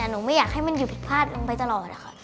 หนูไม่อยากให้มันอยู่ผิดพลาดไปตลอด